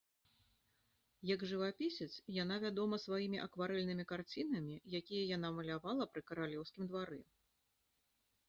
Як жывапісец, яна вядома сваімі акварэльнымі карцінамі, якія яна малявала пры каралеўскім двары.